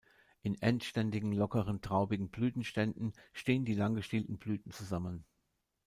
In endständigen, lockeren, traubigen Blütenständen stehen die lang gestielten Blüten zusammen.